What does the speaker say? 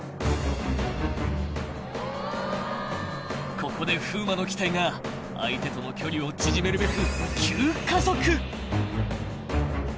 ［ここで風磨の機体が相手との距離を縮めるべく］